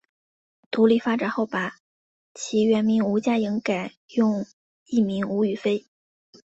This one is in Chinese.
独立发展后把其原名吴家颖改用艺名吴雨霏。